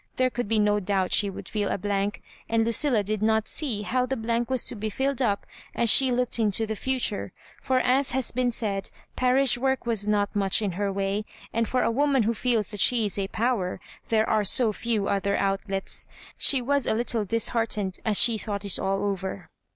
There could be no doubt she would feel a blank — and Lucilla did not see how the blank was to be filled up as she looked into the future ; for, as has been said, parish work was not much in her way, and for a woman who feels that she is a Power, there are so few other outlets. She was a little disheart ened as she thought it all over.